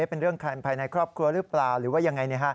เป็นเรื่องภายในครอบครัวหรือเปล่าหรือว่ายังไง